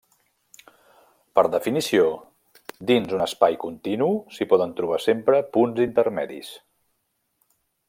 Per definició dins un espai continu s'hi poden trobar sempre punts intermedis.